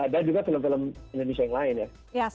dan juga film film indonesia yang lain ya